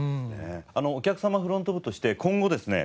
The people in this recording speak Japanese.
お客様フロント部として今後ですね